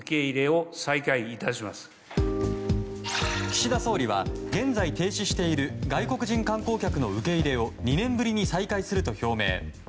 岸田総理は現在停止している外国人観光客の受け入れを２年ぶりに再開すると表明。